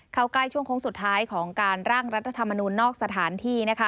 เข้าใกล้ช่วงโค้งสุดท้ายของการร่างรัฐธรรมนูลนอกสถานที่